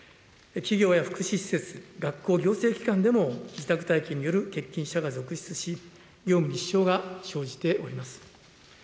企業や福祉施設、学校、行政機関でも自宅待機による欠勤者が続出し、業務に支障が生じております。